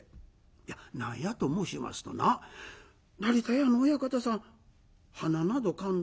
いや何やと申しますとな成田屋の親方さんはななどかんだ